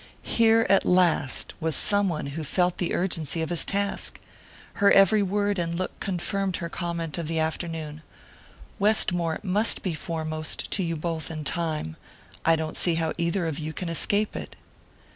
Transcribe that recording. Here at last was some one who felt the urgency of his task: her every word and look confirmed her comment of the afternoon: "Westmore must be foremost to you both in time I don't see how either of you can escape it."